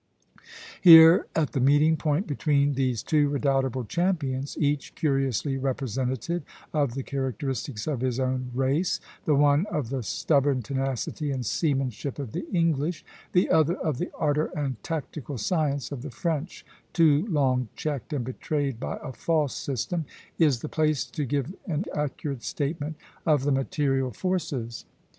Here, at the meeting point between these two redoubtable champions, each curiously representative of the characteristics of his own race, the one of the stubborn tenacity and seamanship of the English, the other of the ardor and tactical science of the French, too long checked and betrayed by a false system, is the place to give an accurate statement of the material forces.